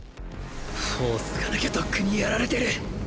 ４ｔｈ がなきゃとっくにやられてる！